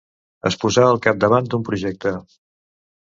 Es posà al capdavant d'un projecte.